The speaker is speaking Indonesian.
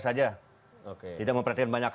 saja tidak memperhatikan banyak